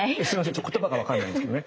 ちょっと言葉が分かんないんですけどね。